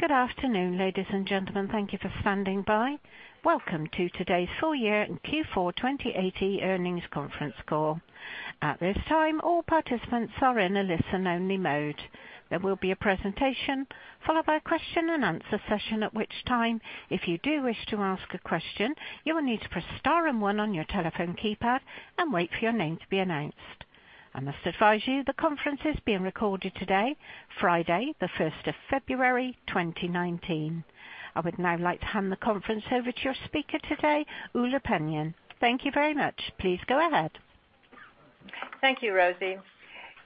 Good afternoon, ladies and gentlemen. Thank you for standing by. Welcome to today's full- year and Q4 2018 earnings conference call. At this time, all participants are in a listen-only mode. There will be a presentation followed by a question and answer session, at which time, if you do wish to ask a question, you will need to press star and one on your telephone keypad and wait for your name to be announced. I must advise you, the conference is being recorded today, Friday, the 1st of February, 2019. I would now like to hand the conference over to your speaker today, Ulla Paajanen. Thank you very much. Please go ahead. Thank you, Rosie.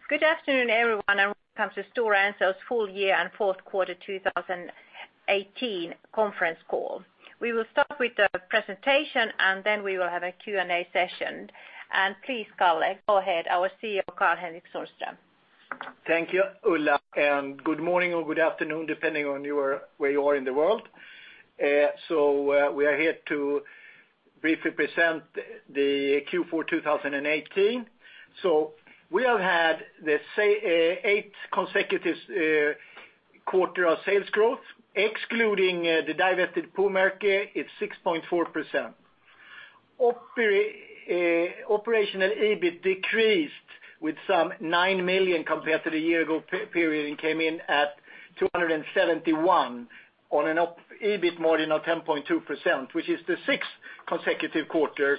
Good afternoon, everyone, and welcome to Stora Enso's full- year and fourth quarter 2018 conference call. We will start with the presentation. Then we will have a Q&A session. Please, Kalle, go ahead, our CEO, Karl-Henrik Sundström. Thank you, Ulla. Good morning or good afternoon, depending on where you are in the world. We are here to briefly present the Q4 2018. We have had the eighth consecutive quarter of sales growth, excluding the divested Puumerkki, it's 6.4%. Operational EBIT decreased with some 9 million compared to the year ago period and came in at 271 on an EBIT margin of 10.2%, which is the sixth consecutive quarter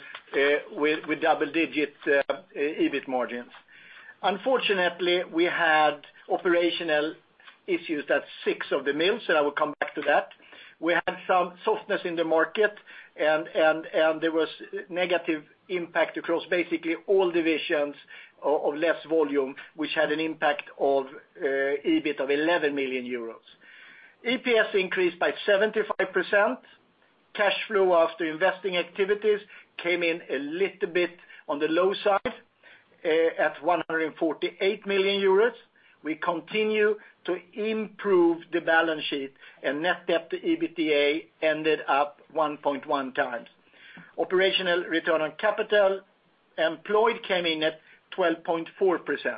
with double-digit EBIT margins. Unfortunately, we had operational issues at six of the mills, and I will come back to that. We had some softness in the market. There was negative impact across basically all divisions of less volume, which had an impact of EBIT of 11 million euros. EPS increased by 75%. Cash flow after investing activities came in a little bit on the low side at 148 million euros. We continue to improve the balance sheet. Net debt to EBITDA ended up 1.1 times. Operational return on capital employed came in at 12.4%.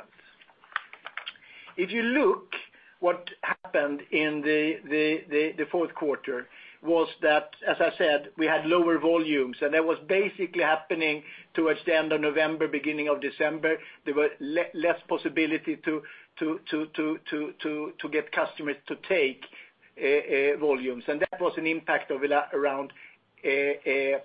If you look what happened in the fourth quarter was that, as I said, we had lower volumes. That was basically happening towards the end of November, beginning of December. There were less possibility to get customers to take volumes. That was an impact of around 11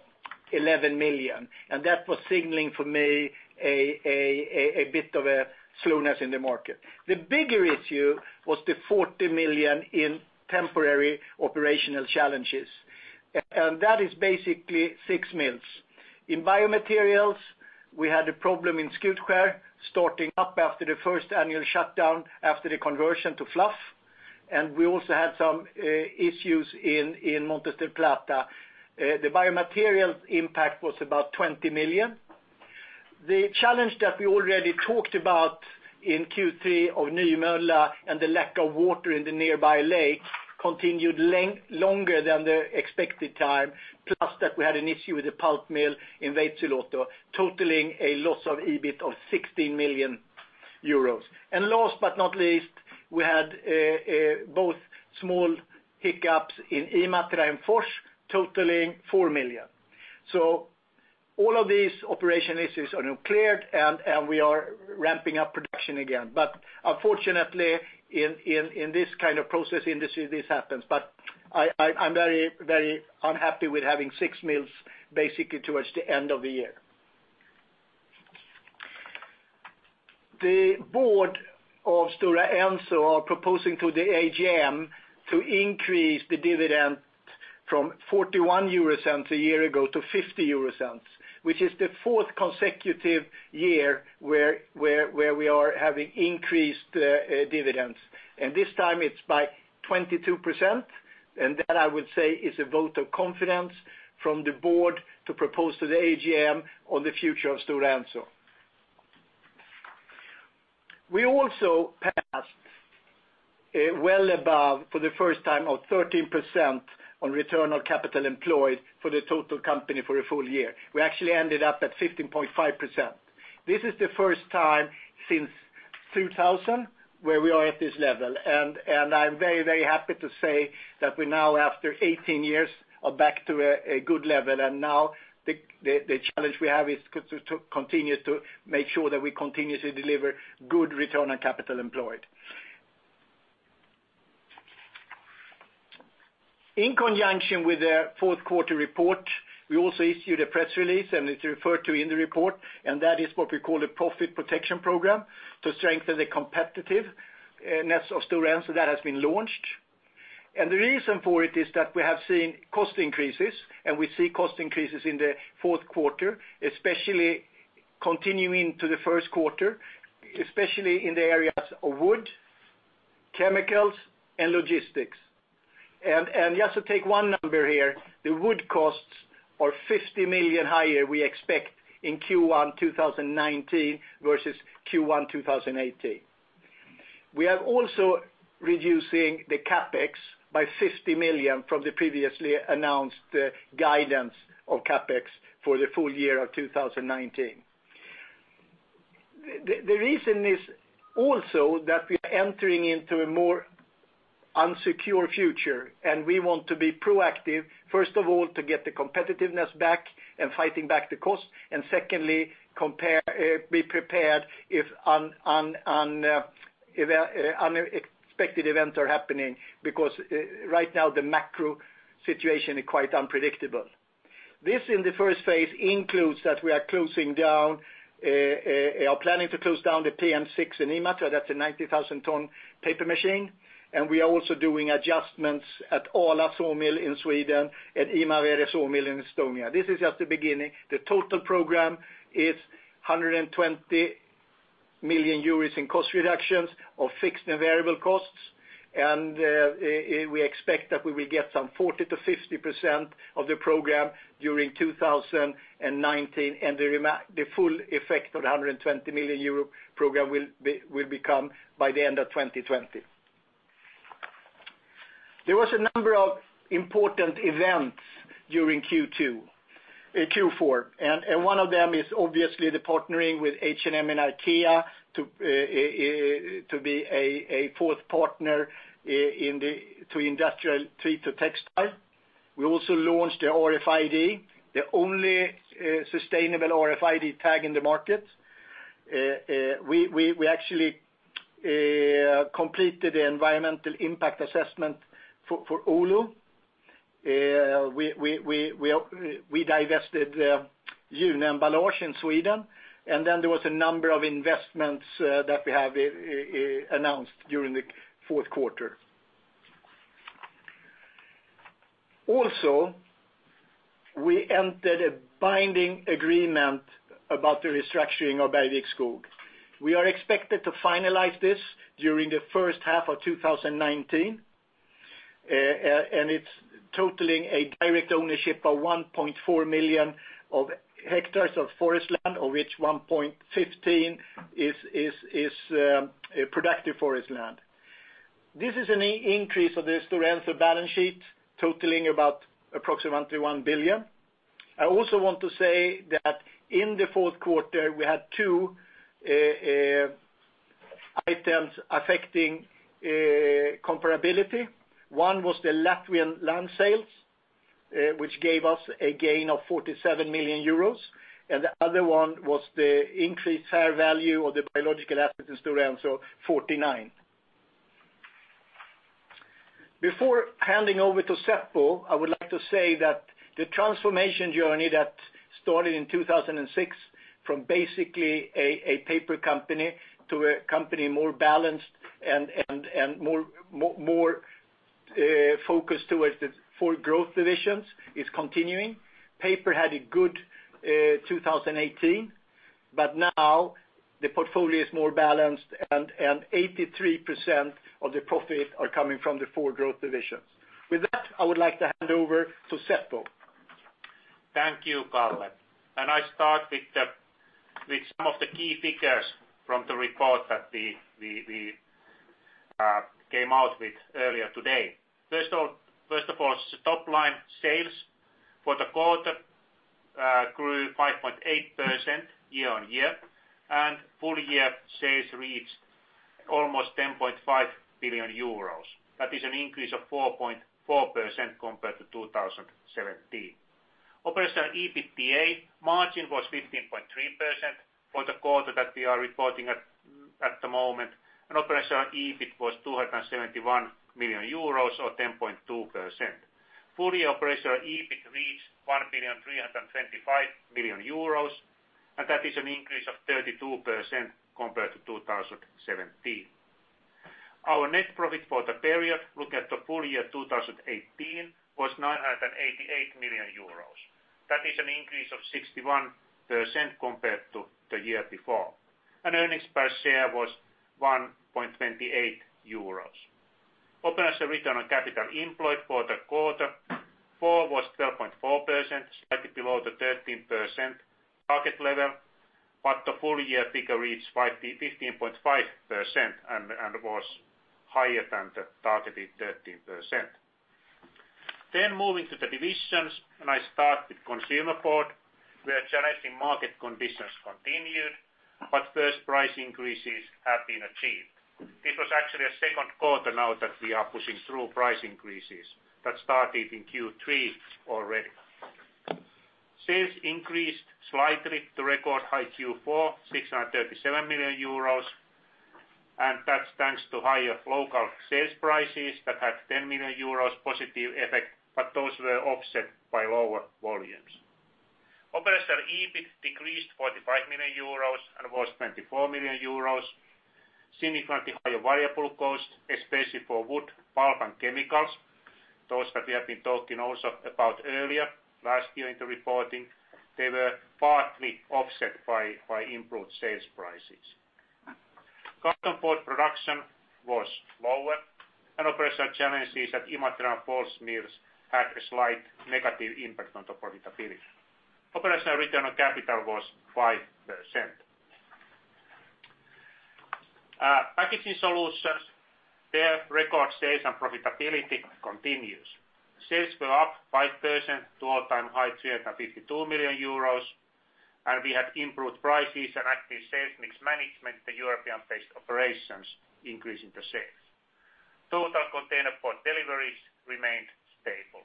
million. That was signaling for me a bit of a slowness in the market. The bigger issue was the 40 million in temporary operational challenges. That is basically six mills. In Biomaterials, we had a problem in Skutskär starting up after the first annual shutdown after the conversion to fluff. We also had some issues in Montes del Plata. The Biomaterials impact was about 20 million. The challenge that we already talked about in Q3 of Nymölla and the lack of water in the nearby lake continued longer than the expected time, plus that we had an issue with the pulp mill in Veitsiluoto, totaling a loss of EBIT of 16 million euros. Last but not least, we had both small hiccups in Imatra and Fors, totaling 4 million. All of these operation issues are now cleared, and we are ramping up production again. Unfortunately, in this kind of process industry, this happens. I'm very unhappy with having six mills basically towards the end of the year. The board of Stora Enso are proposing to the AGM to increase the dividend from 0.41 a year ago to 0.50, which is the fourth consecutive year where we are having increased dividends. This time it's by 22%, and that I would say is a vote of confidence from the board to propose to the AGM on the future of Stora Enso. We also passed well above for the first time of 13% on return on capital employed for the total company for a full- year. We actually ended up at 15.5%. This is the first time since 2000 where we are at this level. I'm very happy to say that we now, after 18 years, are back to a good level. Now the challenge we have is to continue to make sure that we continue to deliver good return on capital employed. In conjunction with the fourth quarter report, we also issued a press release, it's referred to in the report, and that is what we call a profit protection program to strengthen the competitiveness of Stora Enso that has been launched. The reason for it is that we have seen cost increases, and we see cost increases in the fourth quarter, especially continuing to the first quarter, especially in the areas of wood, chemicals, and logistics. Just to take one number here, the wood costs are 50 million higher we expect in Q1 2019 versus Q1 2018. We are also reducing the CapEx by 50 million from the previously announced guidance of CapEx for the full- year of 2019. The reason is also that we are entering into a more unsecure future, and we want to be proactive, first of all, to get the competitiveness back and fighting back the cost. Secondly, be prepared if unexpected events are happening, because right now the macro situation is quite unpredictable. This, in the first phase, includes that we are planning to close down the PM6 in Imatra, that's a 90,000 ton paper machine, and we are also doing adjustments at Ala sawmill in Sweden, at Imavere sawmill in Estonia. This is just the beginning. The total program is 120 million euros in cost reductions of fixed and variable costs, and we expect that we will get some 40%-50% of the program during 2019, and the full effect of 120 million euro program will become by the end of 2020. There was a number of important events during Q4, and one of them is obviously the partnering with H&M and IKEA to be a fourth partner to industrial tree to textile. We also launched the RFID, the only sustainable RFID tag in the market. We actually completed the environmental impact assessment for Oulu. We divested June Emballage in Sweden, and then there was a number of investments that we have announced during the fourth quarter. Also, we entered a binding agreement about the restructuring of Bergvik Skog. We are expected to finalize this during the first half of 2019. It's totaling a direct ownership of 1.4 million hectares of forest land, of which 1.15 is productive forest land. This is an increase of the Stora Enso balance sheet, totaling about approximately 1 billion. I also want to say that in the fourth quarter, we had two Items Affecting Comparability. One was the Latvian land sales, which gave us a gain of 47 million euros. The other one was the increased fair value of the biological assets in Stora Enso, 49. Before handing over to Seppo, I would like to say that the transformation journey that started in 2006 from basically a paper company to a company more balanced and more focused towards the four growth divisions is continuing. Paper had a good 2018. Now the portfolio is more balanced. 83% of the profit are coming from the four growth divisions. With that, I would like to hand over to Seppo. Thank you, Kalle. I start with some of the key figures from the report that we came out with earlier today. First of all, top line sales for the quarter grew 5.8% year-over-year. Full- year sales reached almost 10.5 billion euros. That is an increase of 4.4% compared to 2017. Operational EBITDA margin was 15.3% for the quarter that we are reporting at the moment. Operational EBIT was 271 million euros or 10.2%. Full- year operational EBIT reached 1,325,000 million. That is an increase of 32% compared to 2017. Our net profit for the period, looking at the full -year 2018, was EUR 988 million. Earnings per share was 1.28 euros. Operational return on capital employed for the quarter four was 12.4%, slightly below the 13% target level, the full- year figure reached 15.5% and was higher than the targeted 13%. Moving to the divisions, I start with Consumer Board, where challenging market conditions continued, first price increases have been achieved. This was actually a second quarter now that we are pushing through price increases that started in Q3 already. Sales increased slightly to record high Q4, 637 million euros, that's thanks to higher local sales prices that had 10 million euros positive effect, but those were offset by lower volumes. Operational EBIT decreased 45 million euros and was 24 million euros. Significantly higher variable cost, especially for wood pulp and chemicals. Those that we have been talking also about earlier last year in the reporting, they were partly offset by improved sales prices. Consumer Board production was lower and operational challenges at Imatra and Fors mills had a slight negative impact on the profitability. Operational return on capital was 5%. Packaging Solutions, their record sales and profitability continues. Sales were up 5% to all-time high 352 million euros. We had improved prices and active sales mix management in European-based operations, increasing the sales. Total containerboard deliveries remained stable.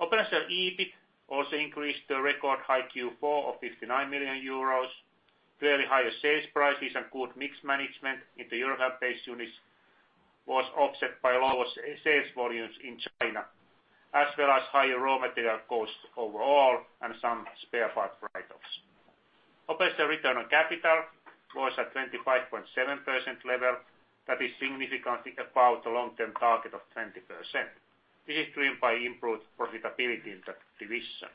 Operational EBIT also increased to a record high Q4 of 59 million euros. Clearly, higher sales prices and good mix management in the European-based units was offset by lower sales volumes in China, as well as higher raw material costs overall and some spare part write-offs. Operational return on capital was at 25.7% level. That is significantly above the long-term target of 20%. This is driven by improved profitability in that division.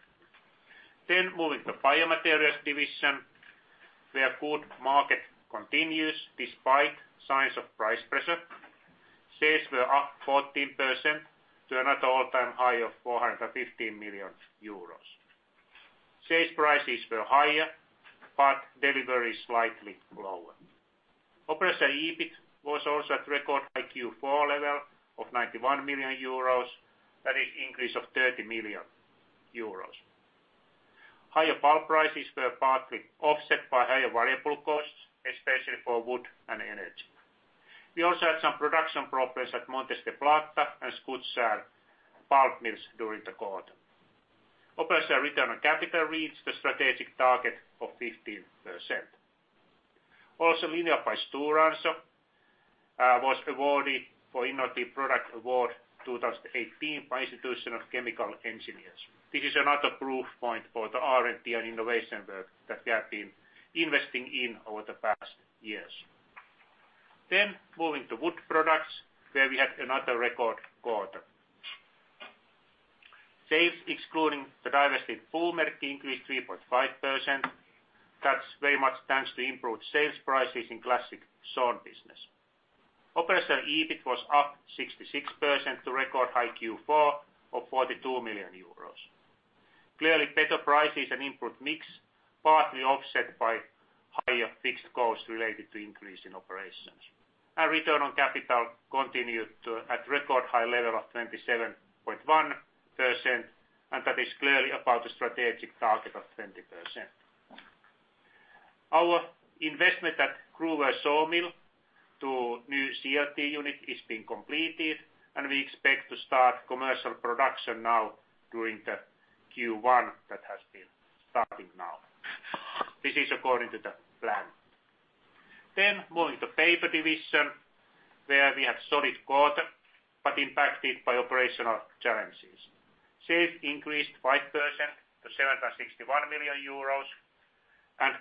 Moving to Biomaterials division, where good market continues despite signs of price pressure. Sales were up 14% to another all-time high of 415 million euros. Sales prices were higher, but delivery slightly lower. Operational EBIT was also at record high Q4 level of 91 million euros. That is increase of 30 million euros. Higher pulp prices were partly offset by higher variable costs, especially for wood and energy. We also had some production problems at Montes del Plata and Skutskär pulp mills during the quarter. Operational return on capital reached the strategic target of 15%. Also, Lineo by Stora Enso was awarded for Innovative Product Award 2018 by Institution of Chemical Engineers. This is another proof point for the R&D and innovation work that we have been investing in over the past years. Moving to Wood Products, where we had another record quarter. Sales, excluding the divested Puumerkki increased 3.5%. That's very much thanks to improved sales prices in classic sawn business. Operational EBIT was up 66% to record high Q4 of 42 million euros. Clearly, better prices and improved mix, partly offset by higher fixed costs related to increase in operations. Return on capital continued at record high level of 27.1%, that is clearly above the strategic target of 20%. Our investment at Gruvön sawmill to new CLT unit is being completed. We expect to start commercial production now during the Q1 that has been starting now. This is according to the plan. Moving to Paper division, where we had solid quarter, but impacted by operational challenges. Sales increased 5% to 761 million euros.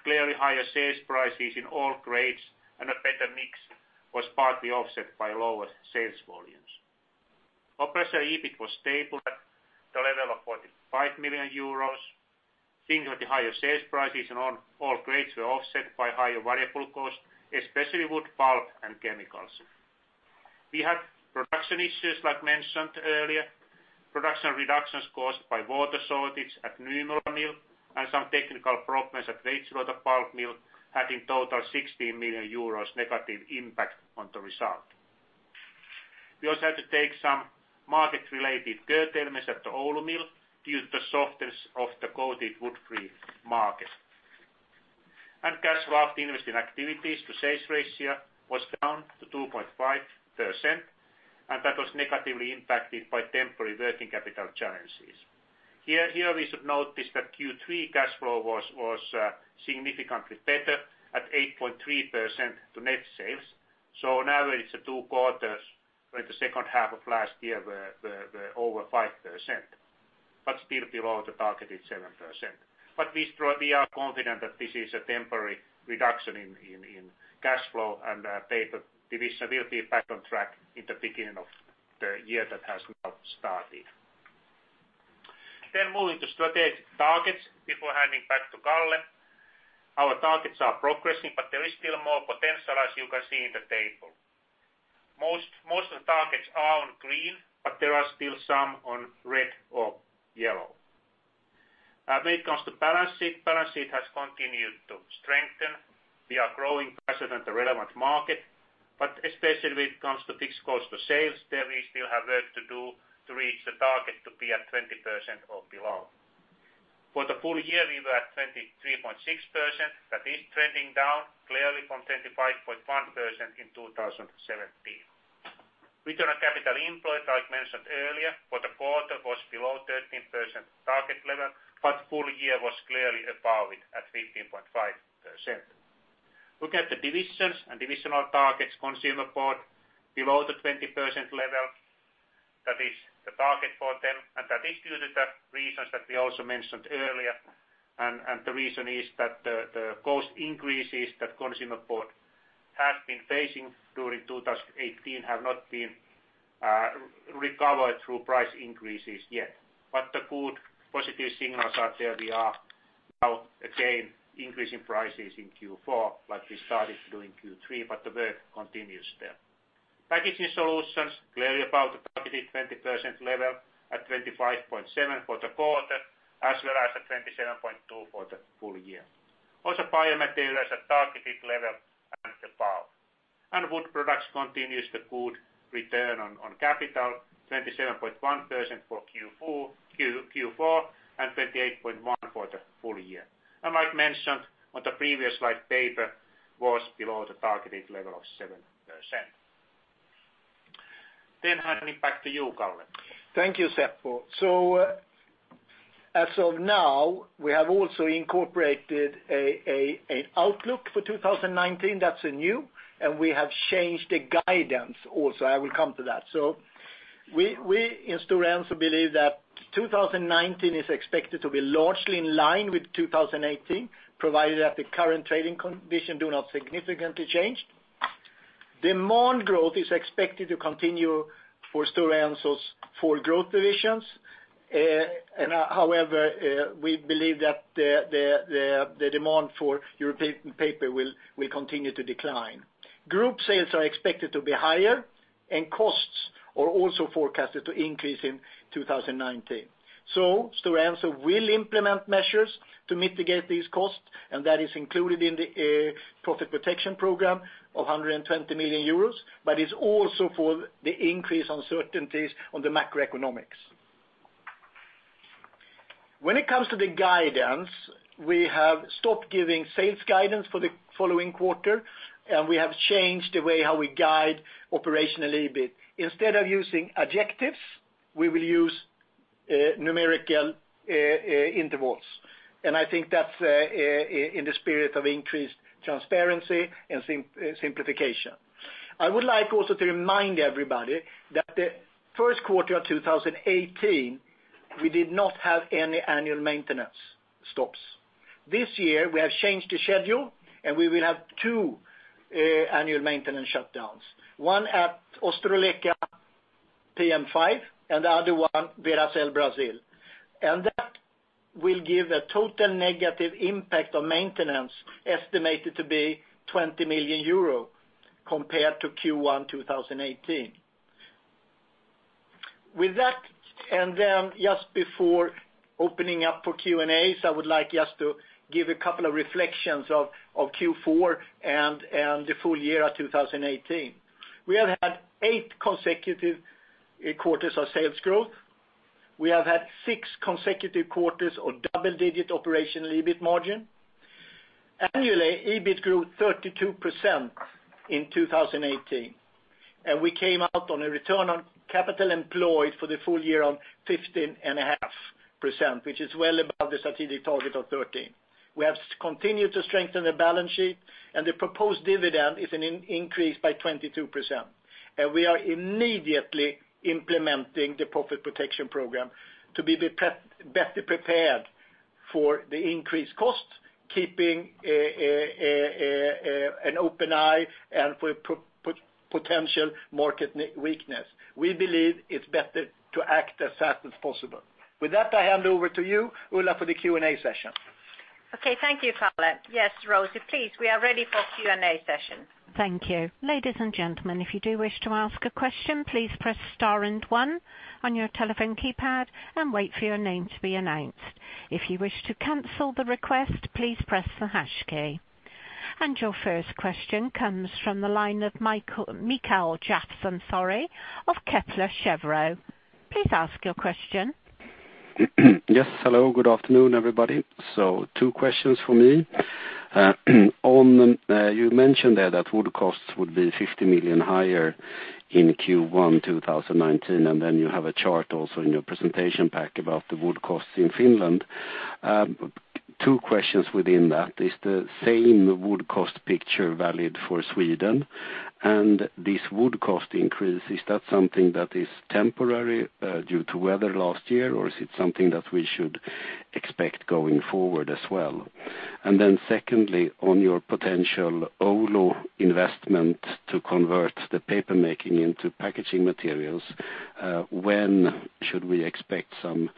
Clearly higher sales prices in all grades, a better mix was partly offset by lower sales volumes. Operational EBIT was stable at the level of 45 million euros. Slightly higher sales prices on all grades were offset by higher variable costs, especially wood pulp and chemicals. We had production issues like mentioned earlier. Production reductions caused by water shortage at Nymölla mill and some technical problems at Veitsiluoto pulp mill had in total 16 million euros negative impact on the result. We also had to take some market-related curtailments at the Oulu mill due to softness of the coated wood free market. Cash flow investing activities to sales ratio was down to 2.5%, that was negatively impacted by temporary working capital challenges. Here, we should notice that Q3 cash flow was significantly better at 8.3% to net sales. Now it's the two quarters, or the second half of last year were over 5%, but still below the targeted 7%. We are confident that this is a temporary reduction in cash flow, paper division will be back on track in the beginning of the year that has now started. Moving to strategic targets before handing back to Kalle. Our targets are progressing, there is still more potential as you can see in the table. Most of the targets are on green, there are still some on red or yellow. When it comes to balance sheet, balance sheet has continued to strengthen. We are growing faster than the relevant market, especially when it comes to fixed cost of sales, there we still have work to do to reach the target to be at 20% or below. For the full- year, we were at 23.6%. That is trending down clearly from 25.1% in 2017. Return on capital employed, like mentioned earlier, for the quarter, was below 13% target level, full- year was clearly above it at 15.5%. Looking at the divisions and divisional targets, Consumer Board below the 20% level. That is the target for them, that is due to the reasons that we also mentioned earlier. The reason is that the cost increases that Consumer Board has been facing during 2018 have not been recovered through price increases yet. The good positive signals are there. We are now again increasing prices in Q4, like we started to do in Q3, the work continues there. Packaging solutions clearly above the targeted 20% level at 25.7% for the quarter, as well as at 27.2% for the full- year. Also biomaterials at targeted level and above. Wood products continues the good return on capital, 27.1% for Q4, 28.1% for the full- year. Like mentioned on the previous slide, paper was below the targeted level of 7%. Handing back to you, Kalle. Thank you, Seppo. As of now, we have also incorporated an outlook for 2019, that's new, we have changed the guidance also. I will come to that. We in Stora Enso believe that 2019 is expected to be largely in line with 2018, provided that the current trading conditions do not significantly change. Demand growth is expected to continue for Stora Enso's full growth divisions. However, we believe that the demand for European paper will continue to decline. Group sales are expected to be higher, costs are also forecasted to increase in 2019. Stora Enso will implement measures to mitigate these costs, that is included in the Profit Protection Program of 120 million euros, but it's also for the increased uncertainties on the macroeconomics. When it comes to the guidance, we have stopped giving sales guidance for the following quarter, we have changed the way how we guide operations a little bit. Instead of using adjectives, we will use numerical intervals. I think that's in the spirit of increased transparency and simplification. I would like also to remind everybody that the first quarter of 2018, we did not have any annual maintenance stops. This year, we have changed the schedule, we will have two annual maintenance shutdowns. One at Ostrołęka PM5, the other one, Veracel, Brazil. That will give a total negative impact on maintenance estimated to be 20 million euro compared to Q1 2018. With that, just before opening up for Q&As, I would like just to give a couple of reflections of Q4 and the full- year of 2018. We have had eight consecutive quarters of sales growth. We have had six consecutive quarters of double-digit operational EBIT margin. Annually, EBIT grew 32% in 2018. We came out on a return on capital employed for the full year on 15.5%, which is well above the strategic target of 13. We have continued to strengthen the balance sheet, the proposed dividend is an increase by 22%. We are immediately implementing the Profit Protection Program to be better prepared for the increased costs, keeping an open eye for potential market weakness. We believe it's better to act as fast as possible. With that, I hand over to you, Ulla, for the Q&A session. Okay, thank you, Kalle. Yes, Rosie, please, we are ready for Q&A session. Thank you. Ladies and gentlemen, if you do wish to ask a question, please press star and one on your telephone keypad and wait for your name to be announced. If you wish to cancel the request, please press the hash key. Your first question comes from the line of Mikael Jafs of Kepler Cheuvreux. Please ask your question. Yes, hello. Good afternoon, everybody. Two questions for me. You mentioned there that wood costs would be 50 million higher in Q1 2019, and then you have a chart also in your presentation pack about the wood costs in Finland. Two questions within that. Is the same wood cost picture valid for Sweden? This wood cost increase, is that something that is temporary, due to weather last year, or is it something that we should expect going forward as well? Secondly, on your potential Oulu investment to convert the paper making into packaging materials, when should we expect some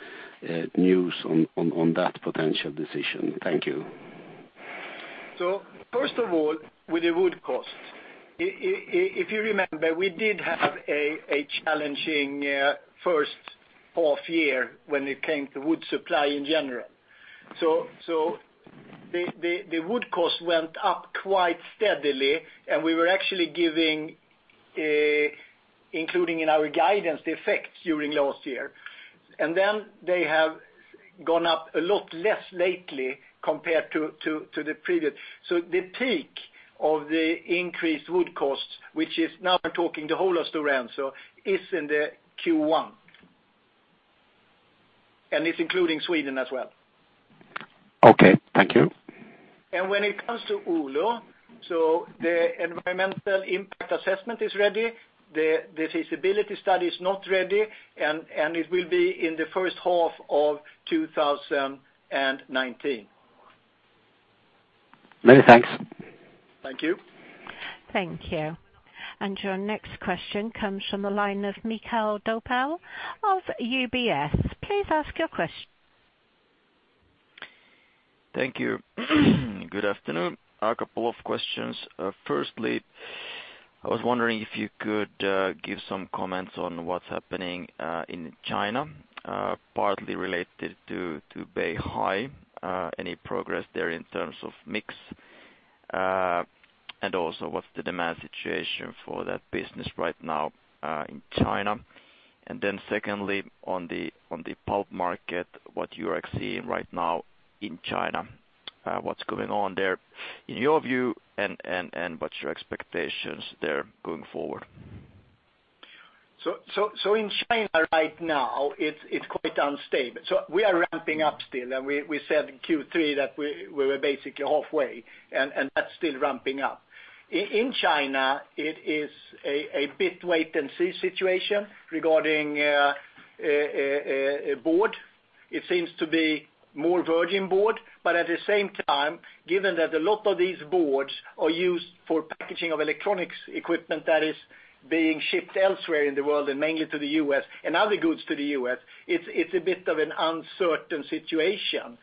news on that potential decision? Thank you. First of all, with the wood cost, if you remember, we did have a challenging first half year when it came to wood supply in general. The wood cost went up quite steadily, and we were actually giving, including in our guidance, the effect during last year. They have gone up a lot less lately compared to the previous. The peak of the increased wood costs, which is now we're talking the whole of Stora Enso, is in the Q1. It's including Sweden as well. Okay, thank you. When it comes to Oulu, the environmental impact assessment is ready. The feasibility study is not ready, and it will be in the first half of 2019. Many thanks. Thank you. Thank you. Your next question comes from the line of Mikael Doepel of UBS. Please ask your question. Thank you. Good afternoon. A couple of questions. Firstly, I was wondering if you could give some comments on what's happening in China, partly related to Beihai. Any progress there in terms of mix, and also, what's the demand situation for that business right now in China? Secondly, on the pulp market, what you are seeing right now in China, what's going on there, in your view, and what's your expectations there going forward? In China right now, it's quite unstable. We are ramping up still, and we said in Q3 that we were basically halfway, and that's still ramping up. In China, it is a bit wait and see situation regarding a board. It seems to be more virgin board, but at the same time, given that a lot of these boards are used for packaging of electronics equipment that is being shipped elsewhere in the world, and mainly to the U.S., and other goods to the U.S., it's a bit of an uncertain situation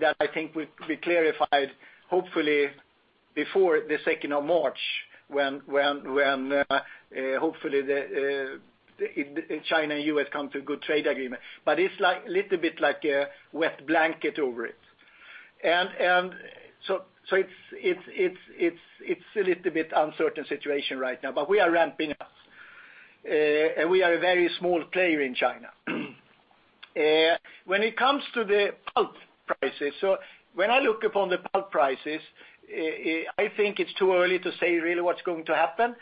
that I think will be clarified, hopefully before the 2nd of March, when, hopefully, China and U.S. come to a good trade agreement. It's little bit like a wet blanket over it. It's a little bit uncertain situation right now. We are ramping up. We are a very small player in China. When it comes to the pulp prices, when I look upon the pulp prices, I think it's too early to say really what's going to happen.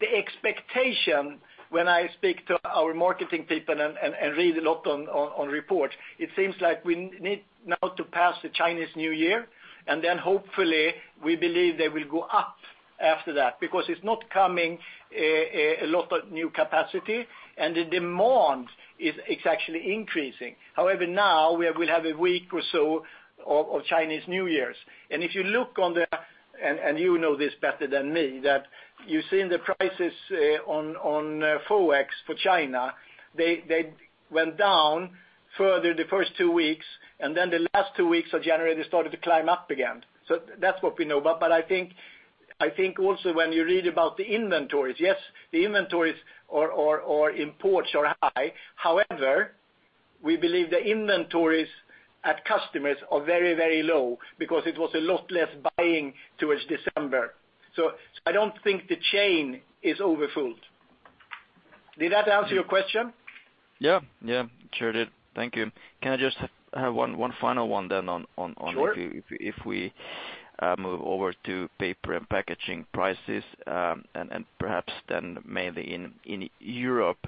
The expectation when I speak to our marketing people and read a lot on reports, it seems like we need now to pass the Chinese New Year, then hopefully we believe they will go up after that, because it's not coming a lot of new capacity, and the demand is actually increasing. However, now we will have a week or so of Chinese New Years. You know this better than me, that you've seen the prices on FOEX for China. They went down further the first two weeks, then the last two weeks of January, they started to climb up again. That's what we know about. I think also when you read about the inventories, yes, the inventories or imports are high. However, we believe the inventories at customers are very low, because it was a lot less buying towards December. I don't think the chain is overfilled. Did that answer your question? Yeah. Sure did. Thank you. Can I just have one final one? Sure If we move over to paper and packaging prices, and perhaps then mainly in Europe.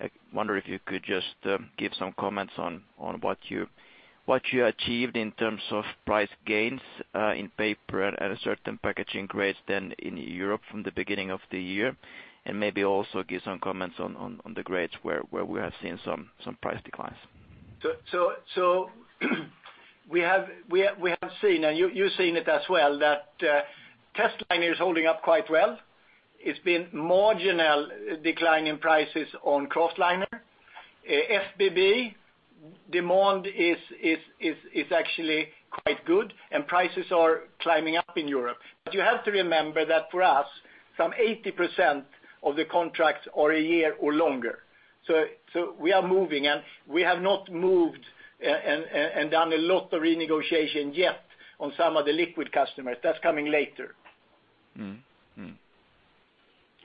I wonder if you could just give some comments on what you achieved in terms of price gains, in paper and certain packaging grades then in Europe from the beginning of the year, and maybe also give some comments on the grades where we have seen some price declines. We have seen, and you've seen it as well, that testliner is holding up quite well. It's been marginal decline in prices on kraftliner. FBB, demand is actually quite good, and prices are climbing up in Europe. You have to remember that for us, some 80% of the contracts are a year or longer. We are moving, and we have not moved and done a lot of renegotiation yet on some of the liquid customers. That's coming later.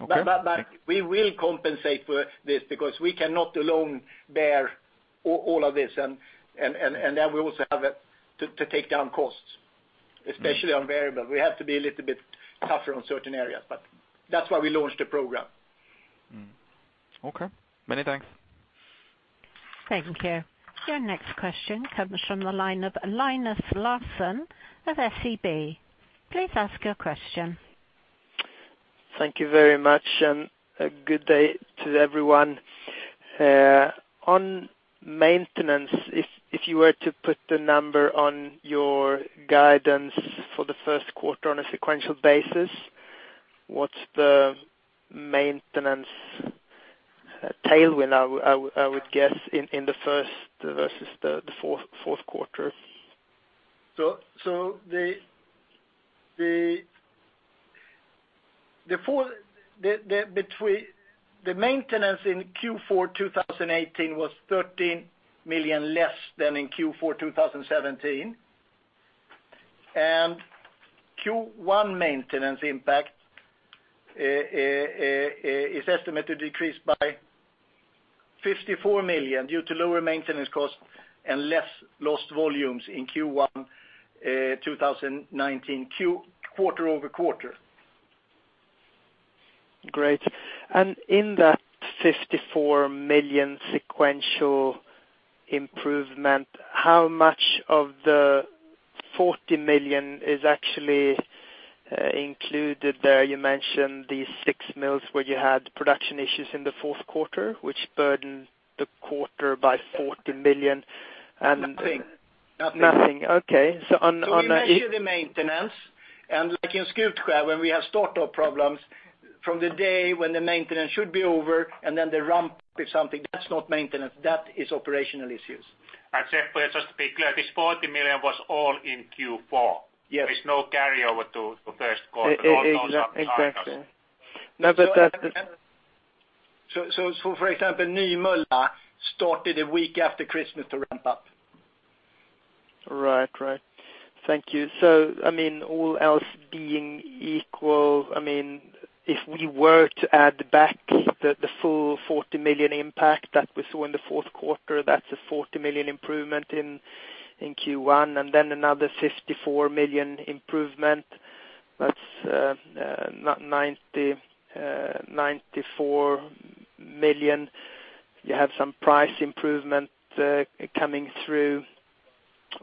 Okay. We will compensate for this, because we cannot alone bear all of this. We also have to take down costs, especially on variable. We have to be a little bit tougher on certain areas, but that's why we launched the program. Okay. Many thanks. Thank you. Your next question comes from the line of Linus Larsson of SEB. Please ask your question. Thank you very much, good day to everyone. On maintenance, if you were to put the number on your guidance for the first quarter on a sequential basis, what's the maintenance tailwind, I would guess, in the first versus the fourth quarter? The maintenance in Q4 2018 was 13 million, less than in Q4 2017. Q1 maintenance impact is estimated to decrease by 54 million due to lower maintenance costs and less lost volumes in Q1 2019, quarter-over-quarter. In that 54 million sequential improvement, how much of the 40 million is actually included there? You mentioned these six mills where you had production issues in the fourth quarter, which burdened the quarter by 40 million, and- Nothing. Nothing. Okay. On a- We measure the maintenance, and like in Skutskär, when we have startup problems From the day when the maintenance should be over, then the ramp is something that's not maintenance. That is operational issues. Seppo, just to be clear, this 40 million was all in Q4? Yes. There's no carryover to first quarter. Exactly. For example, Nymölla started a week after Christmas to ramp up. Right. Thank you. All else being equal, if we were to add back the full 40 million impact that we saw in the fourth quarter, that's a 40 million improvement in Q1, and then another 54 million improvement. That's 94 million. You have some price improvement coming through.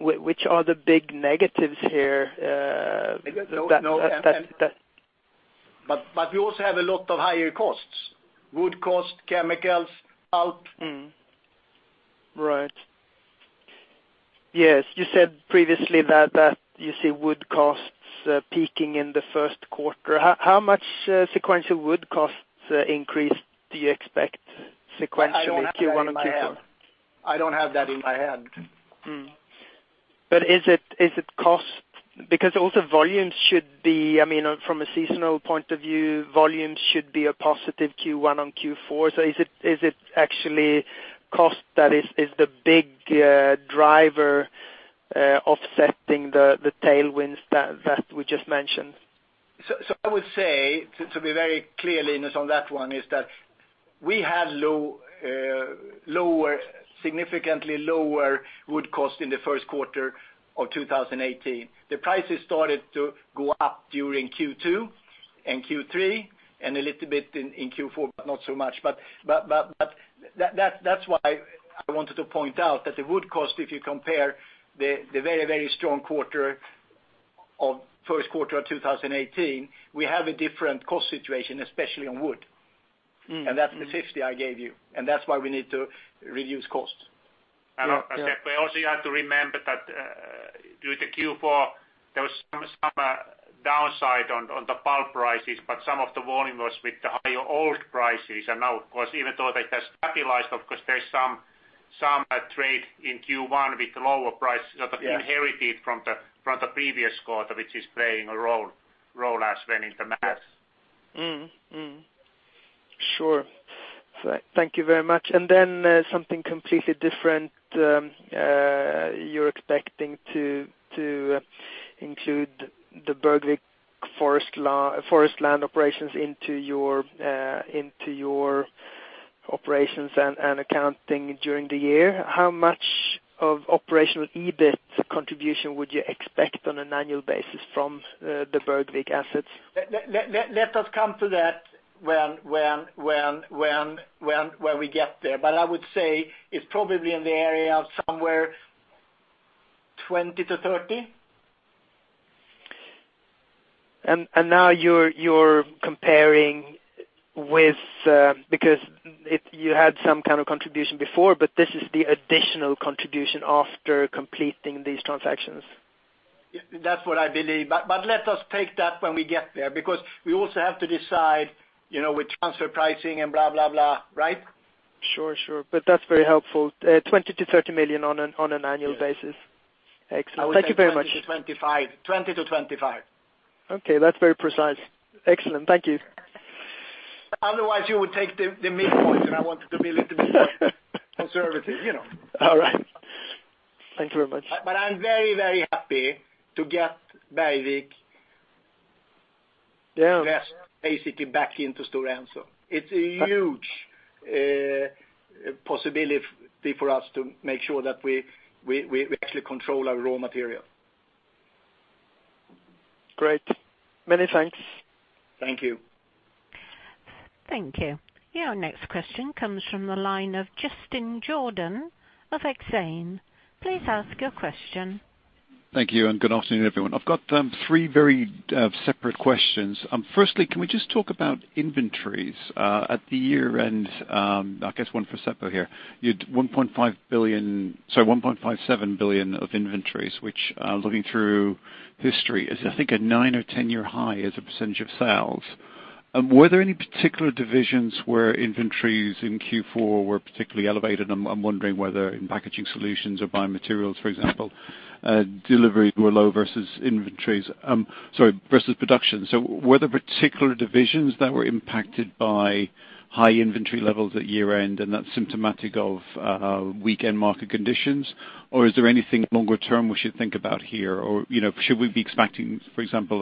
Which are the big negatives here? We also have a lot of higher costs. Wood costs, chemicals, pulp. Right. Yes, you said previously that you see wood costs peaking in the first quarter. How much sequential wood costs increase do you expect sequentially Q1 and Q4? I don't have that in my head. Is it cost? Also volumes should be, from a seasonal point of view, volumes should be a positive Q1 on Q4. Is it actually cost that is the big driver offsetting the tailwinds that we just mentioned? I would say, to be very clear, Linus, on that one, is that we had significantly lower wood cost in the first quarter of 2018. The prices started to go up during Q2 and Q3, and a little bit in Q4, but not so much. That's why I wanted to point out that the wood cost, if you compare the very strong first quarter of 2018, we have a different cost situation, especially on wood. That's the 50 I gave you, and that's why we need to reduce costs. Yeah. Also you have to remember that during the Q4, there was some downside on the pulp prices, but some of the volume was with the higher old prices. Now, of course, even though that has stabilized, of course there is some trade in Q1 with lower prices that are inherited from the previous quarter, which is playing a role as well in the maths. Mm-hmm. Sure. Thank you very much. Something completely different. You're expecting to include the Bergvik forest land operations into your operations and accounting during the year. How much of operational EBIT contribution would you expect on an annual basis from the Bergvik assets? Let us come to that when we get there. I would say it's probably in the area of somewhere 20-30. You're comparing because you had some kind of contribution before, but this is the additional contribution after completing these transactions. That's what I believe. Let us take that when we get there, because we also have to decide with transfer pricing and blah, blah, right? Sure. That's very helpful. 20 million-30 million on an annual basis. Yes. Excellent. Thank you very much. I would say 20 million-25 million. Okay, that's very precise. Excellent, thank you. Otherwise, you would take the midpoint, and I wanted to be a little bit conservative. All right. Thank you very much. I'm very, very happy to get Bergvik. Yeah basically back into Stora Enso. It's a huge possibility for us to make sure that we actually control our raw material. Great. Many thanks. Thank you. Thank you. Your next question comes from the line of Justin Jordan of Exane. Please ask your question. Thank you. Good afternoon, everyone. I've got three very separate questions. Firstly, can we just talk about inventories at the year-end? I guess one for Seppo here. You had 1.57 billion of inventories, which, looking through history, is I think a 9 or 10-year high as a percentage of sales. Were there any particular divisions where inventories in Q4 were particularly elevated? I'm wondering whether in Packaging Solutions or Biomaterials, for example, deliveries were low versus production. Were there particular divisions that were impacted by high inventory levels at year-end and that's symptomatic of weak end market conditions, or is there anything longer- term we should think about here, or should we be expecting, for example,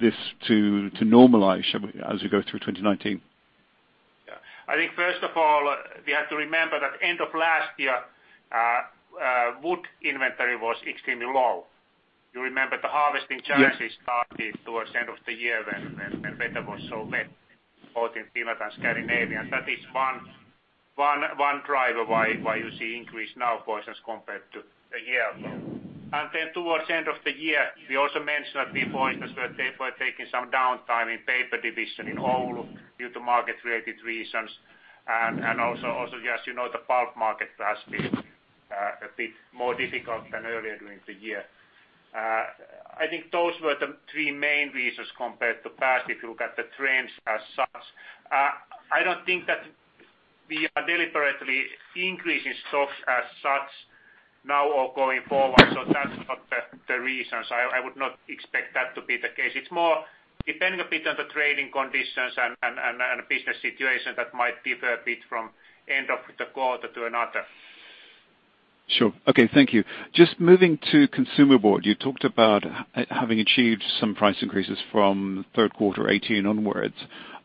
this to normalize, shall we, as we go through 2019? I think, first of all, we have to remember that end of last year, wood inventory was extremely low. You remember the harvesting challenges started towards the end of the year when weather was so wet, both in Finland and Scandinavia. That is one driver why you see increase now, for instance, compared to a year ago. Towards the end of the year, we also mentioned that we, for instance, were therefore taking some downtime in paper division in Oulu due to market-related reasons. As you know, the pulp market has been a bit more difficult than earlier during the year. I think those were the three main reasons compared to past, if you look at the trends as such. I don't think that we are deliberately increasing stocks as such now or going forward. That's not the reasons. I would not expect that to be the case. It's more depending a bit on the trading conditions and business situation that might differ a bit from end of the quarter to another. Sure. Okay. Thank you. Just moving to Consumer Board, you talked about having achieved some price increases from third quarter 2018 onwards.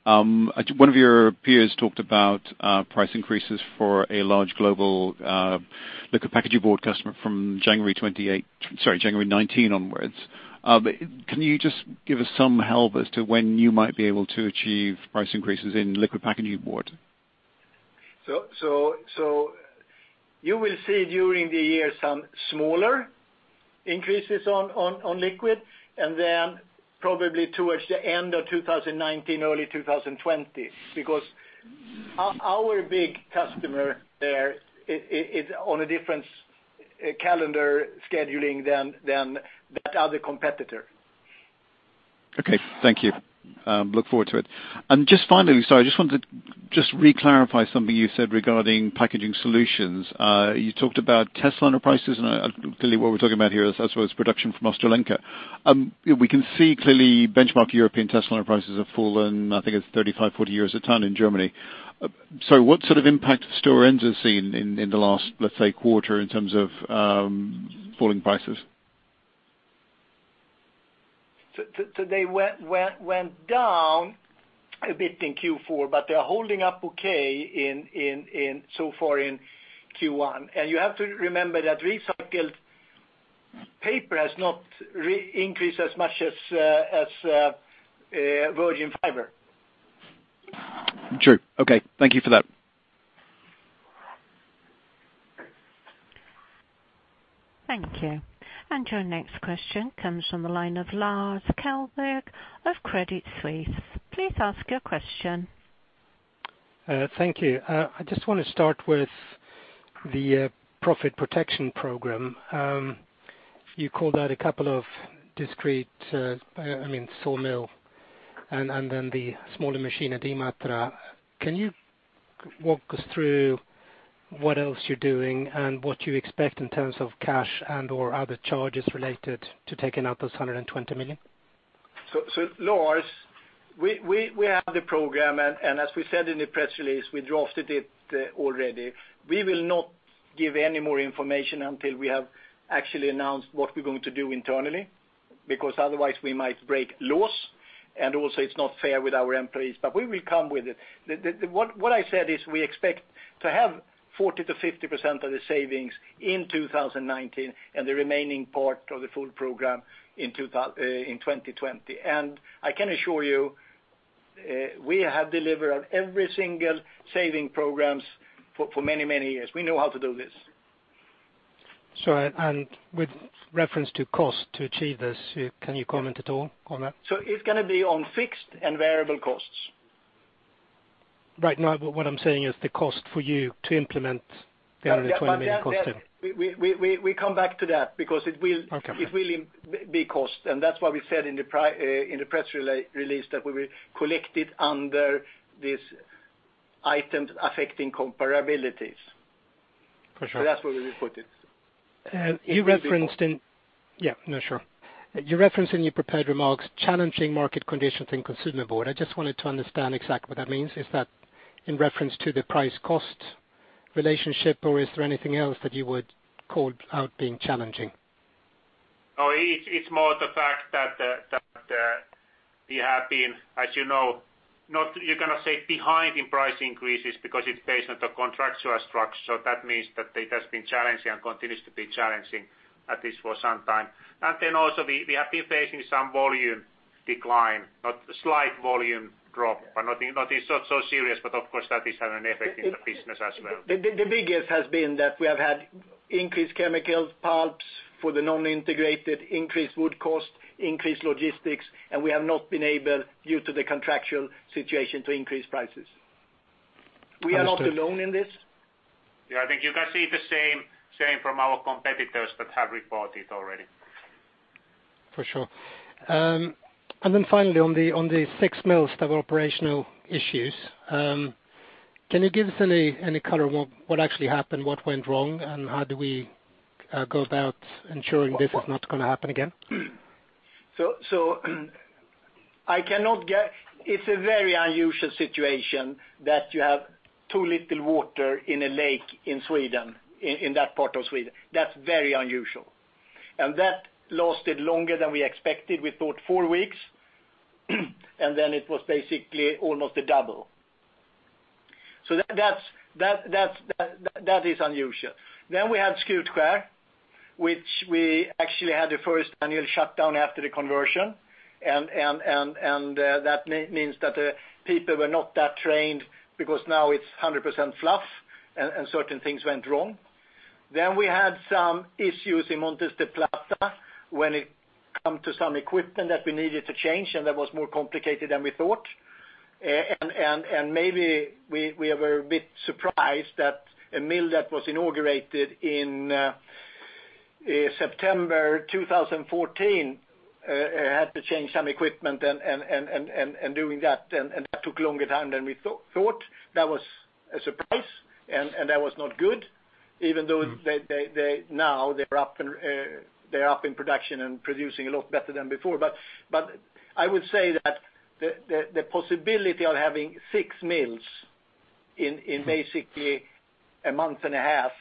One of your peers talked about price increases for a large global liquid packaging board customer from January 2019 onwards. Can you just give us some help as to when you might be able to achieve price increases in liquid packaging board? You will see during the year some smaller increases on liquid, and then probably towards the end of 2019, early 2020, because our big customer there is on a different calendar scheduling than that other competitor. Okay. Thank you. Look forward to it. Just finally, sorry, I just wanted to re-clarify something you said regarding packaging solutions. You talked about testliner prices, and clearly what we are talking about here, I suppose, is production from Ostrołęka. We can see clearly benchmark European testliner prices have fallen, I think it is 35, 40 euros a ton in Germany. What sort of impact has Stora Enso seen in the last, let us say, quarter in terms of falling prices? They went down a bit in Q4, but they are holding up okay so far in Q1. You have to remember that recycled paper has not increased as much as virgin fiber. True. Okay. Thank you for that. Thank you. Your next question comes from the line of Lars Kjellberg of Credit Suisse. Please ask your question. Thank you. I just want to start with the profit protection program. You called out a couple of discrete, sawmill, and then the smaller machine at Imavere. Can you walk us through what else you're doing and what you expect in terms of cash and/or other charges related to taking out those 120 million? Lars, we have the program, and as we said in the press release, we drafted it already. We will not give any more information until we have actually announced what we're going to do internally, because otherwise we might break laws, and also it's not fair with our employees. We will come with it. What I said is we expect to have 40%-50% of the savings in 2019 and the remaining part of the full program in 2020. I can assure you, we have delivered on every single saving programs for many, many years. We know how to do this. Sure. With reference to cost to achieve this, can you comment at all on that? It's going to be on fixed and variable costs. Right. No, what I'm saying is the cost for you to implement the 120 million cost. We come back to that because. Okay It will be cost. That's why we said in the press release that we will collect it under these Items Affecting Comparability. For sure. That's where we put it. You referenced in your prepared remarks challenging market conditions in Consumer Board. I just wanted to understand exactly what that means. Is that in reference to the price cost relationship, or is there anything else that you would call out being challenging? It's more the fact that we have been, as you know, you cannot say behind in price increases because it's based on the contractual structure. That means that it has been challenging and continues to be challenging, at least for some time. Also we have been facing some volume decline, not slight volume drop, but not so serious, but of course, that is having an effect in the business as well. The biggest has been that we have had increased chemicals, pulps for the non-integrated, increased wood cost, increased logistics, and we have not been able, due to the contractual situation, to increase prices. We are not alone in this. Yeah, I think you can see the same from our competitors that have reported already. For sure. Finally, on the six mills that have operational issues, can you give us any color on what actually happened, what went wrong, and how do we go about ensuring this is not going to happen again? It's a very unusual situation that you have too little water in a lake in Sweden, in that part of Sweden. That's very unusual. That lasted longer than we expected. We thought four weeks, and then it was basically almost a double. That is unusual. We had Skutskär, which we actually had the first annual shutdown after the conversion, and that means that the people were not that trained because now it's 100% fluff, and certain things went wrong. We had some issues in Montes del Plata when it come to some equipment that we needed to change, and that was more complicated than we thought. Maybe we were a bit surprised that a mill that was inaugurated in September 2014 had to change some equipment and doing that took longer time than we thought. That was a surprise, and that was not good. Even though now they're up in production and producing a lot better than before. I would say that the possibility of having six mills in basically a month and a half,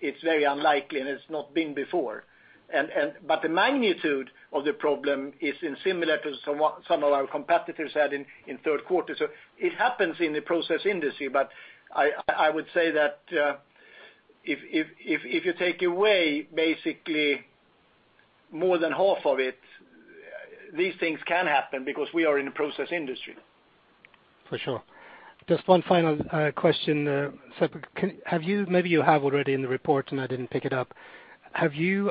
it's very unlikely and it's not been before. The magnitude of the problem is similar to what some of our competitors had in third quarter. It happens in the process industry, but I would say that if you take away basically more than half of it, these things can happen because we are in the process industry. For sure. Just one final question. Maybe you have already in the report, and I didn't pick it up. Have you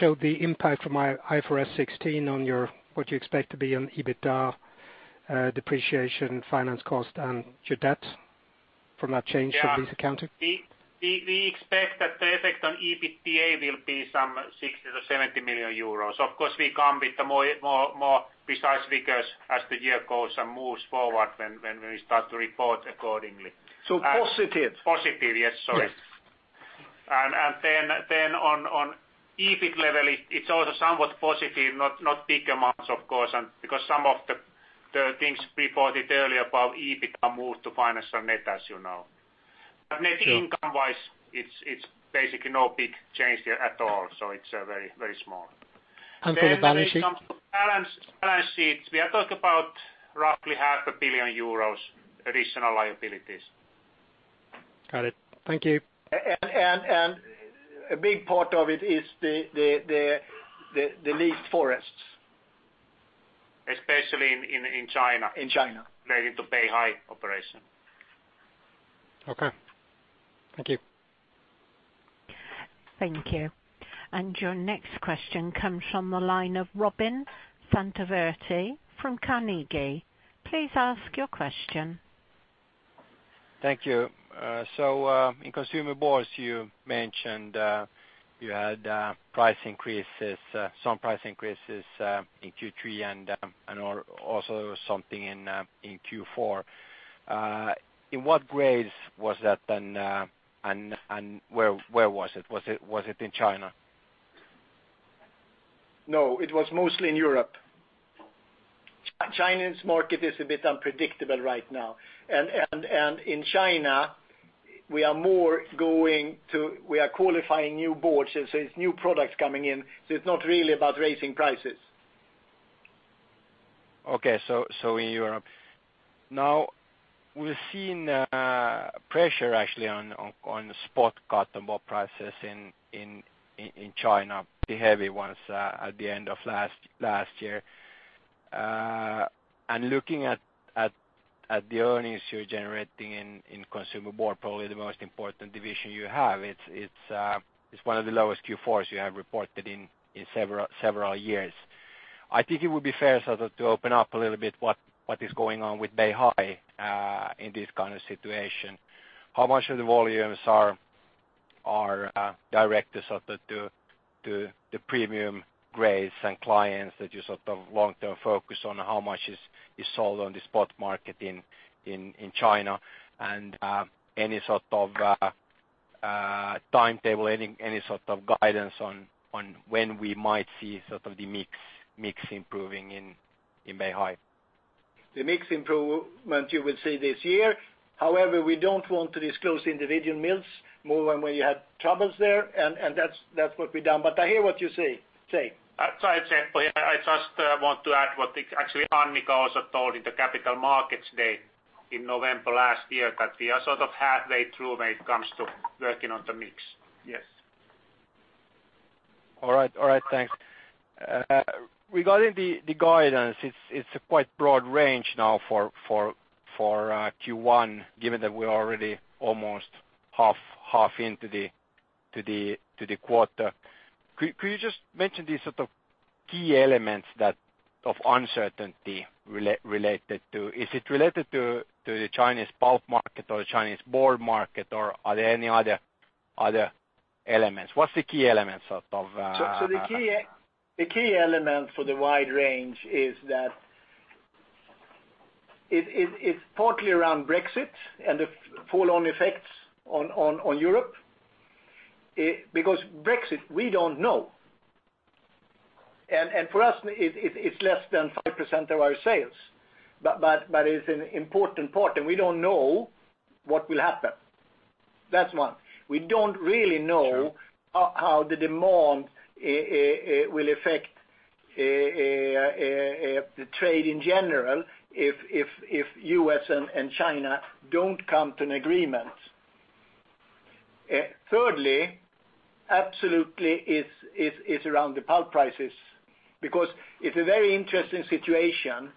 showed the impact from IFRS 16 on what you expect to be on EBITDA depreciation, finance cost, and your debt from that change to lease accounting? Yeah. We expect that the effect on EBITDA will be some 60 million-70 million euros. Of course, we come with the more precise figures as the year goes and moves forward when we start to report accordingly. Positive? Positive. Yes. Sorry. Yes. On EBIT level, it's also somewhat positive, not big EUR amounts, of course, because some of the things reported earlier about EBIT are moved to financial net, as you know. Sure. Net income-wise, it's basically no big change there at all. It's very small. For the balance sheet? When it comes to balance sheet, we are talking about roughly half a billion EUR additional liabilities. Got it. Thank you. A big part of it is the leased forests. Especially in China. In China. Related to Beihai operation. Okay. Thank you. Thank you. Your next question comes from the line of Robin Santavirta from Carnegie. Please ask your question. Thank you. In Consumer Board, you mentioned you had some price increases in Q3 and also something in Q4. In what grades was that then? Where was it? Was it in China? No, it was mostly in Europe. China's market is a bit unpredictable right now. In China, we are qualifying new boards, so it's new products coming in. It's not really about raising prices. Okay. In Europe. Now we've seen pressure actually on the spot carton board prices in China, the heavy ones at the end of last year. Looking at the earnings you're generating in Consumer Board, probably the most important division you have, it's one of the lowest Q4s you have reported in several years. I think it would be fair sort of to open up a little bit what is going on with Beihai in this kind of situation. How much of the volumes are direct to sort of the premium grades and clients that you sort of long-term focus on? How much is sold on the spot market in China? Any sort of timetable, any sort of guidance on when we might see sort of the mix improving in Beihai? The mix improvement you will see this year. However, we don't want to disclose individual mills more than when you had troubles there, and that's what we've done. I hear what you say. I just want to add what actually Annika also told in the Capital Markets Day in November last year, that we are sort of halfway through when it comes to working on the mix. Yes. All right. Thanks. Regarding the guidance, it's a quite broad range now for Q1, given that we're already almost half into the quarter. Could you just mention the sort of key elements of uncertainty? Is it related to the Chinese pulp market or the Chinese board market, or are there any other elements? What is the key elements? The key element for the wide range is that it's partly around Brexit and the fallout effects on Europe. Brexit, we don't know. For us, it's less than 5% of our sales, but it's an important part, and we don't know what will happen. That's one. We don't really know. Sure how the demand will affect the trade in general if U.S. and China don't come to an agreement. It's around the pulp prices because it's a very interesting situation.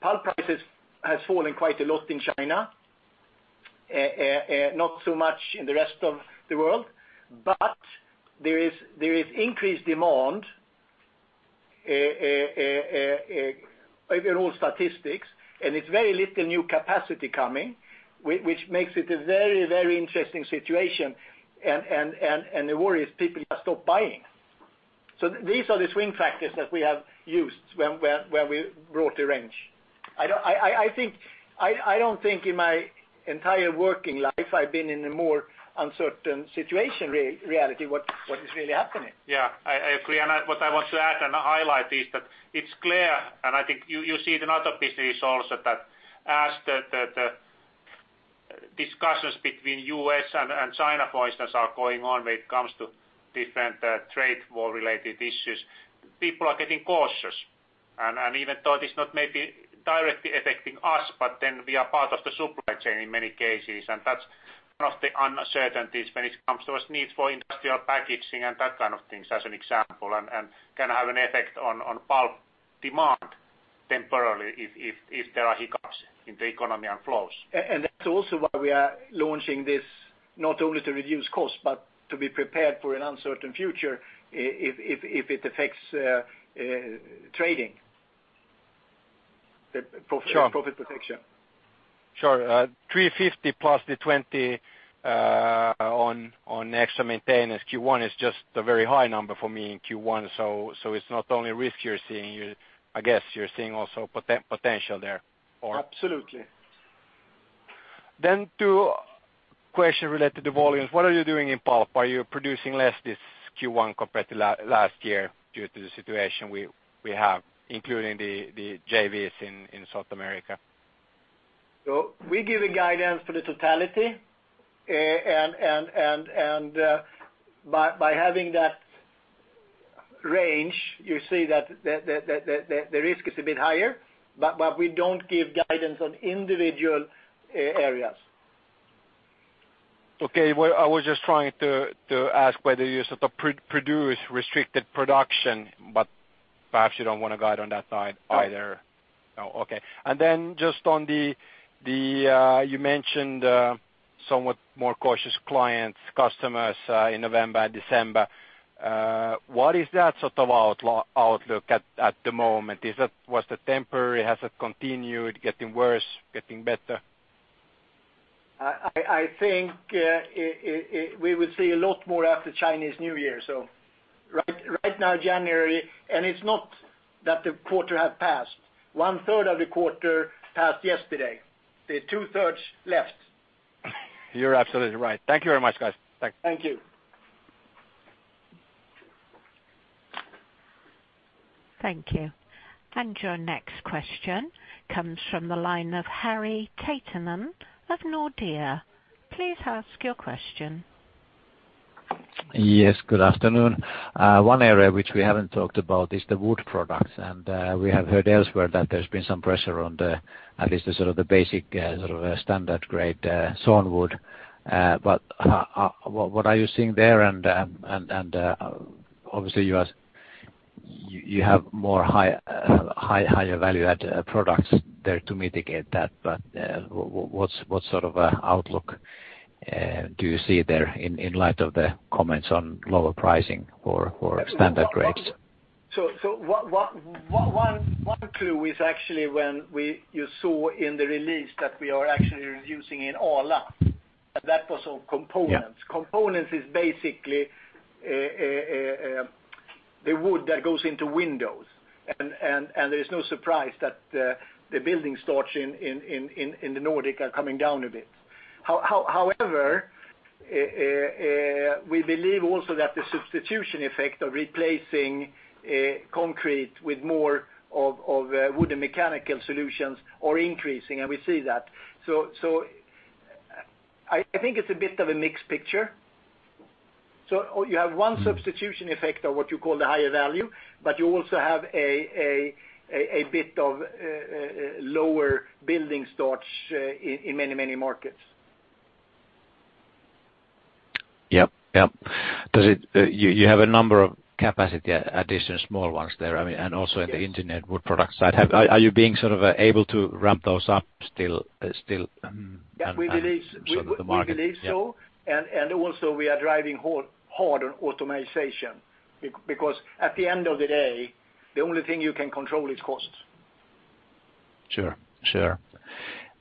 Pulp prices has fallen quite a lot in China. Not so much in the rest of the world, but there is increased demand overall statistics, and it's very little new capacity coming, which makes it a very interesting situation. The worry is people stop buying. These are the swing factors that we have used when we brought the range. I don't think in my entire working life I've been in a more uncertain situation, reality, what is really happening. Yeah, I agree. What I want to add and highlight is that it's clear, and I think you see it in other businesses also, that as the discussions between U.S. and China, for instance, are going on when it comes to different trade war-related issues, people are getting cautious. Even though it is not maybe directly affecting us, but then we are part of the supply chain in many cases, and that's one of the uncertainties when it comes to us needs for industrial packaging and that kind of things, as an example, and can have an effect on pulp demand temporarily if there are hiccups in the economy and flows. That's also why we are launching this not only to reduce cost, but to be prepared for an uncertain future if it affects trading. Sure. Profit protection. Sure. 350 plus the 20 on extra maintenance Q1 is just a very high number for me in Q1. It's not only risk you're seeing, I guess you're seeing also potential there. Absolutely. Two question related to volumes. What are you doing in pulp? Are you producing less this Q1 compared to last year due to the situation we have, including the JVs in South America? We give a guidance for the totality, by having that range, you see that the risk is a bit higher, we don't give guidance on individual areas. Okay. Well, I was just trying to ask whether you sort of produce restricted production, perhaps you don't want to guide on that side either. No. Oh, okay. Just on the, you mentioned somewhat more cautious clients, customers, in November and December. What is that sort of outlook at the moment? Was that temporary? Has it continued getting worse, getting better? I think we will see a lot more after Chinese New Year. Right now, January, it's not that the quarter has passed. One third of the quarter passed yesterday, there are two thirds left. You're absolutely right. Thank you very much, guys. Thanks. Thank you. Thank you. Your next question comes from the line of Harri Taittonen of Nordea. Please ask your question. Yes, good afternoon. One area which we haven't talked about is the wood products, we have heard elsewhere that there's been some pressure on the, at least the sort of the basic sort of standard grade sawn wood. What are you seeing there? Obviously, you have more higher value-added products there to mitigate that. What sort of outlook do you see there in light of the comments on lower pricing for standard grades? One clue is actually when you saw in the release that we are actually reducing in Ala, that was on components. Yeah. Components is basically the wood that goes into windows. There is no surprise that the building starts in the Nordic are coming down a bit. However, we believe also that the substitution effect of replacing concrete with more of wooden mechanical solutions are increasing, and we see that. I think it's a bit of a mixed picture. You have one substitution effect of what you call the higher value, but you also have a bit of lower building starts in many markets. Yep. You have a number of capacity addition, small ones there, I mean, and also in the engineered wood product side. Are you being sort of able to ramp those up still? Yeah, we believe so. Sort of the market, yeah. Also we are driving hard on automatization, because at the end of the day, the only thing you can control is costs. Sure.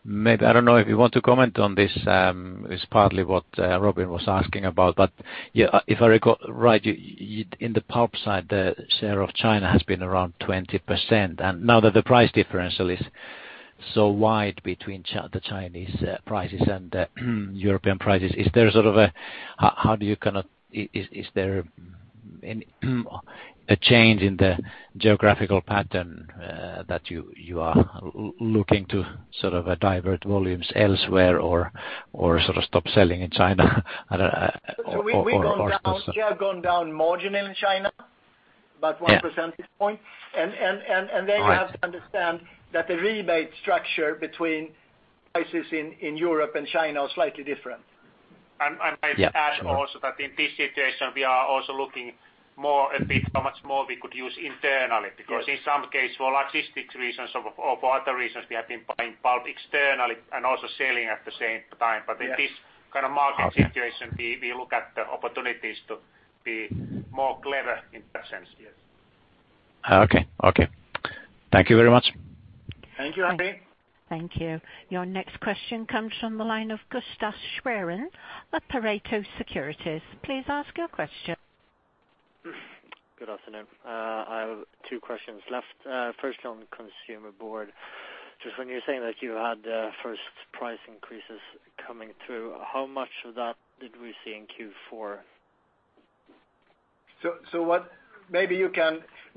Maybe, I don't know if you want to comment on this. It's partly what Robin was asking about, but if I recall right, in the pulp side, the share of China has been around 20%. Now that the price differential is so wide between the Chinese prices and the European prices, how do you kind of is there a change in the geographical pattern, that you are looking to sort of divert volumes elsewhere or sort of stop selling in China? We have gone down marginally in China, about 1 percentage point. Right. You have to understand that the rebate structure between prices in Europe and China are slightly different I might add also that in this situation, we are also looking more a bit how much more we could use internally. In some case, for logistics reasons or for other reasons, we have been buying pulp externally and also selling at the same time. In this kind of market situation, we look at the opportunities to be more clever in that sense. Okay. Thank you very much. Thank you, Andy. Thank you. Your next question comes from the line of Gustaf Schwerin, Pareto Securities. Please ask your question. Good afternoon. I have two questions left. First, on the Consumer Board. Just when you are saying that you had first price increases coming through, how much of that did we see in Q4?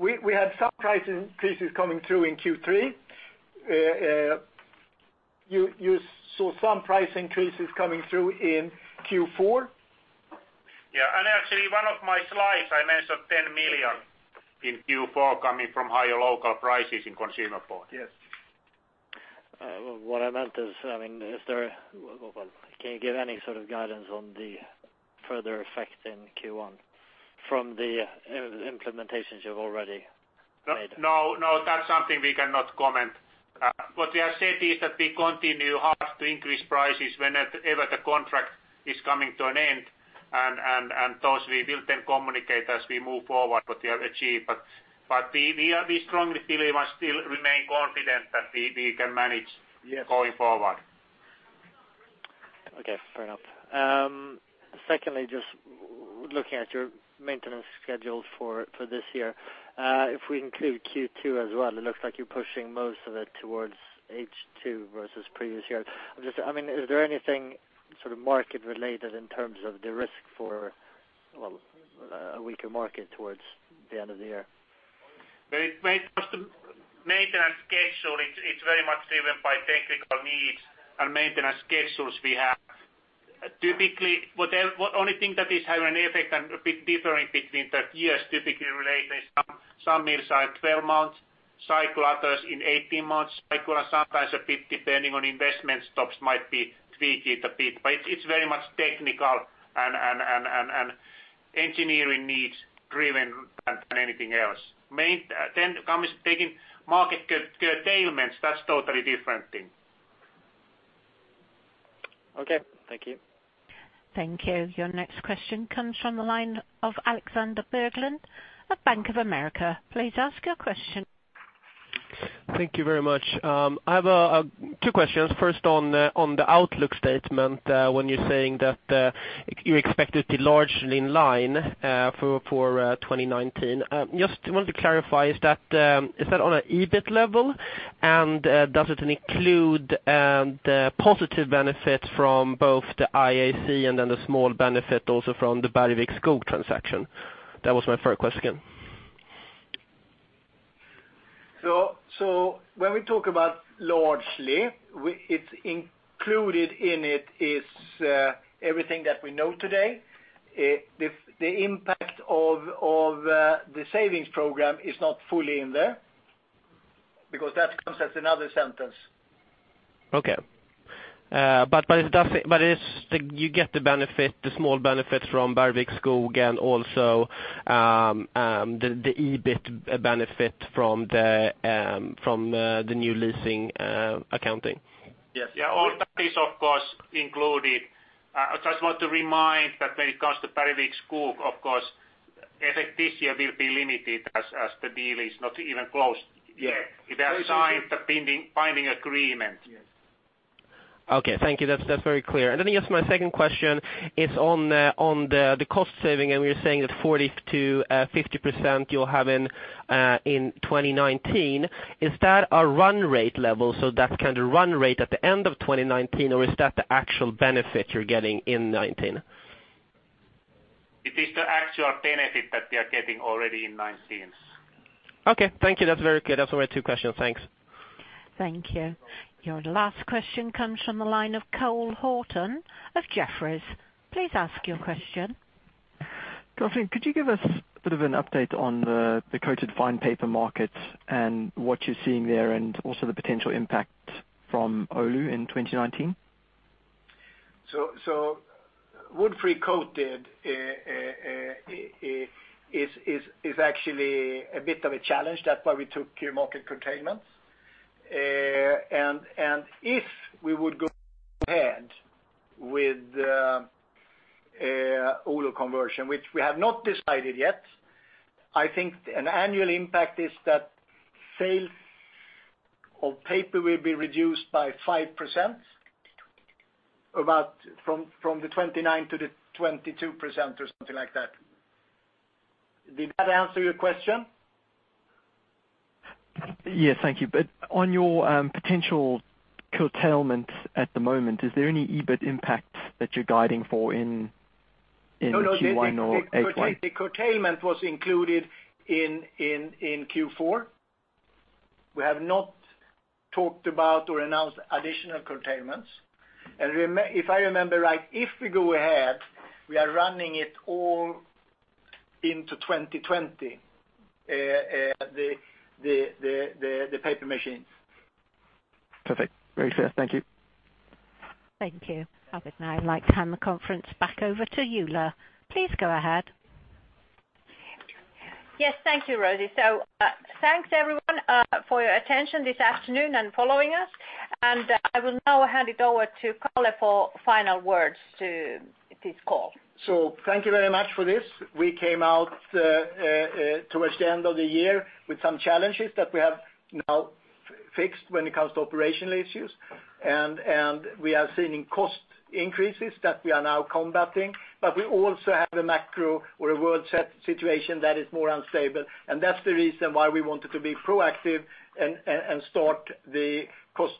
We had some price increases coming through in Q3. You saw some price increases coming through in Q4. Yeah. Actually, one of my slides, I mentioned 10 million in Q4 coming from higher local prices in Consumer Board. Yes. What I meant is, can you give any sort of guidance on the further effect in Q1 from the implementations you have already made? No, that's something we cannot comment. What we have said is that we continue hard to increase prices whenever the contract is coming to an end, and those we will then communicate as we move forward what we have achieved. We strongly believe and still remain confident that we can manage- Yes going forward. Okay, fair enough. Secondly, just looking at your maintenance schedules for this year. If we include Q2 as well, it looks like you're pushing most of it towards H2 versus previous years. Is there anything sort of market related in terms of the risk for a weaker market towards the end of the year? When it comes to maintenance schedule, it's very much driven by technical needs and maintenance schedules we have. Typically, only thing that is having an effect and a bit different between the years, typically related, some mills are 12 months cycle, others in 18 months cycle, and sometimes a bit depending on investment stocks might be tweaked it a bit. It's very much technical and engineering needs driven than anything else. Taking market curtailments, that's totally different thing. Okay. Thank you. Thank you. Your next question comes from the line of Alexander Berglund of Bank of America. Please ask your question. Thank you very much. I have two questions. First, on the outlook statement, when you are saying that you expect it to be largely in line for 2019. Just wanted to clarify, is that on an EBIT level? Does it include the positive benefit from both the IAC and the small benefit also from the Bergvik Skog transaction? That was my first question. When we talk about largely, included in it is everything that we know today. The impact of the savings program is not fully in there because that comes as another sentence. Okay. You get the small benefit from Bergvik Skog and also the EBIT benefit from the new leasing accounting? Yes. Yeah, all that is, of course, included. I just want to remind that when it comes to Bergvik Skog, of course, effect this year will be limited as the deal is not even closed yet. We have signed the binding agreement. Okay, thank you. That's very clear. I guess my second question is on the cost saving, we are saying that 40%-50% you're having in 2019. Is that a run rate level, so that's kind of run rate at the end of 2019, or is that the actual benefit you're getting in 2019? It is the actual benefit that we are getting already in 2019. Okay. Thank you. That's very clear. That's were my two questions. Thanks. Thank you. Your last question comes from the line of Cole Hathorn of Jefferies. Please ask your question. Good afternoon. Could you give us a bit of an update on the coated fine paper market and what you're seeing there, and also the potential impact from Oulu in 2019? Wood-free coated is actually a bit of a challenge. That's why we took market curtailment. If we would go ahead with the Oulu conversion, which we have not decided yet, I think an annual impact is that sales of paper will be reduced by 5%, about from the 29% to the 22% or something like that. Did that answer your question? Yes, thank you. On your potential curtailment at the moment, is there any EBIT impact that you're guiding for in Q1 or H1? No. The curtailment was included in Q4. We have not talked about or announced additional curtailments. If I remember right, if we go ahead, we are running it all into 2020, the paper machines. Perfect. Very clear. Thank you. Thank you. I would now like to hand the conference back over to you, Ulla. Please go ahead. Yes. Thank you, Rosie. Thanks everyone for your attention this afternoon and following us. I will now hand it over to Kalle for final words to this call. Thank you very much for this. We came out towards the end of the year with some challenges that we have now fixed when it comes to operational issues. We are seeing cost increases that we are now combating. We also have a macro or a world situation that is more unstable, that's the reason why we wanted to be proactive and start the cost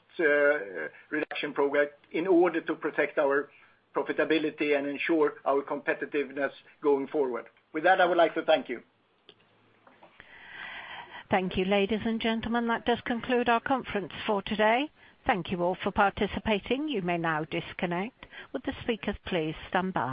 reduction program in order to protect our profitability and ensure our competitiveness going forward. With that, I would like to thank you. Thank you, ladies and gentlemen. That does conclude our conference for today. Thank you all for participating. You may now disconnect. Would the speakers please stand by?